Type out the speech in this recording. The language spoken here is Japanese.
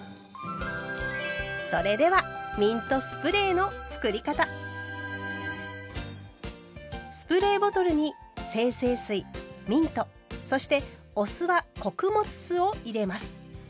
それではスプレーボトルに精製水ミントそしてお酢は穀物酢を入れます。